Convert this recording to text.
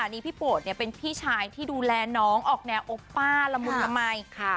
นี่พี่โปรดเป็นพี่ชายที่ดูแลน้องออกแนวโอป้าละมุนละมัย